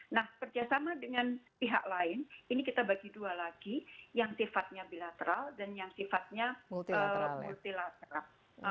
nah kerjasama dengan pihak lain ini kita bagi dua lagi yang sifatnya bilateral dan yang sifatnya multilateral